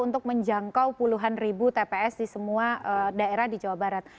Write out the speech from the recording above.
untuk menjangkau puluhan ribu tps di semua daerah di jawa barat